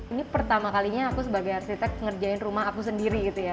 ini pertama kalinya aku sebagai arsitek ngerjain rumah aku sendiri gitu ya